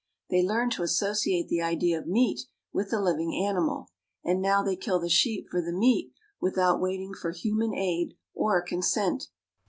They learned to associate the idea of meat with the living animal, and now they kill the sheep for the meat without waiting for human aid or consent.